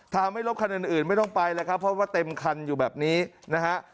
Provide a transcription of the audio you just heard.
ทำให้รถคันอื่นไม่ต้องไปแล้วครับเพราะว่าเต็มคันอยู่แบบนี้นะฮะ